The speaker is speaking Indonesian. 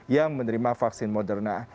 yang menerima vaksin moderna